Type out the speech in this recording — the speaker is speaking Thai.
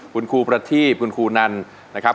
คุณครูประทีบคุณครูนันนะครับ